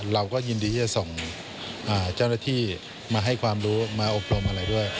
เราก็ยินดีที่จะส่งเจ้าหน้าที่มาให้ความรู้มาอบรมอะไรด้วย